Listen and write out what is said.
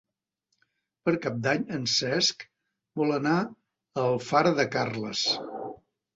Per Cap d'Any en Cesc vol anar a Alfara de Carles.